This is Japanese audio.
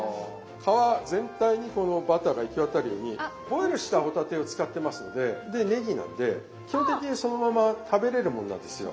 皮全体にこのバターが行き渡るようにボイルした帆立てを使ってますのででねぎなんで基本的にそのまま食べれるもんなんですよ。